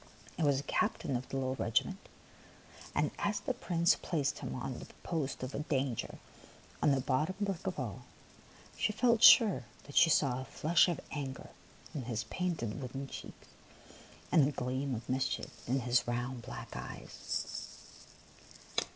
It was the captain of the little regiment ; and as the Prince placed him at the post of danger on the bottom brick of all, she felt sure that she saw a flush of anger on his painted wooden cheeks and a gleam of mischief in his round black eyes.